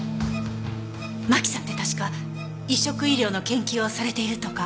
真木さんって確か移植医療の研究をされているとか。